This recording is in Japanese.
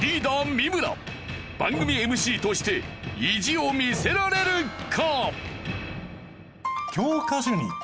三村番組ＭＣとして意地を見せられるか？